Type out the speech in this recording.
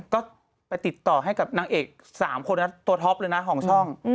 ก็ไปติดต่อให้กับนางเอก๓คนนะตัวท็อปเลยนะของช่อง